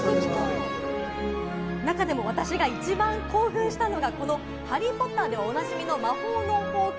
中でも私が一番興奮したのが、この『ハリー・ポッター』でおなじみの魔法のほうき。